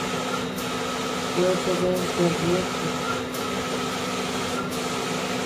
Kuete bea yadyéko.